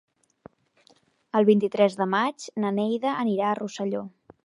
El vint-i-tres de maig na Neida anirà a Rosselló.